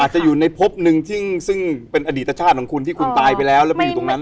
จะอยู่ในพบหนึ่งซึ่งเป็นอดีตชาติของคุณที่คุณตายไปแล้วแล้วไปอยู่ตรงนั้น